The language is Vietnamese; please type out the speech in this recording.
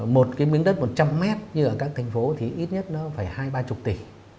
một cái miếng đất một trăm linh mét như ở các thành phố thì ít nhất nó phải hai ba mươi tỷ